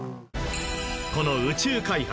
この宇宙開発